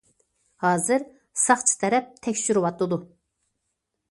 ھازىر ساقچى تەرەپ تەكشۈرۈۋاتىدۇ.